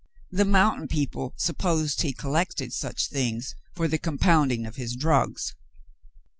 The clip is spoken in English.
The mountain people sup posed he collected such things for the compounding of his drugs.